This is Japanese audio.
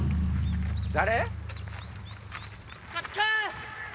誰？